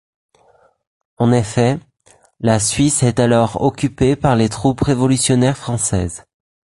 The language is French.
En effet, la Suisse est alors occupée par les troupes révolutionnaires françaises.